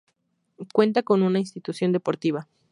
Cuenta con una institución deportiva.